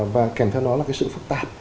và kèm theo nó là sự phức tạp